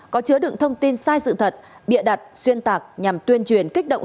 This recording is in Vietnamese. có chứa đựng thông tin sai sự thật bịa đặt xuyên tạc nhằm tuyên truyền kích động